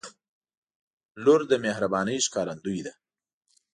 • لور د مهربانۍ ښکارندوی ده.